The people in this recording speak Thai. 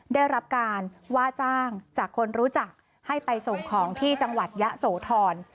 ได้รับการว่าจ้างจากคนรู้จักให้ไปส่งของที่จังหวัดยะโสธร